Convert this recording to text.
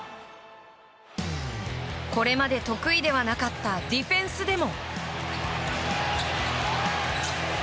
これまで得意ではなかったディフェンスでも。